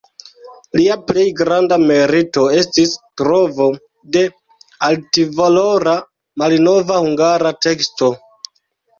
Lia plej granda merito estis trovo de altvalora malnova hungara teksto.